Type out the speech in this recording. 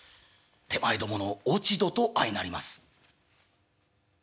「手前どもの落ち度と相なります」。